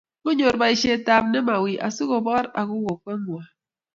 ngonyor boishetab nemawiiy asigoboor ago kokwengwai